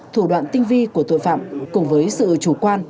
thủ đoạn tinh vi của tội phạm cùng với sự chủ quan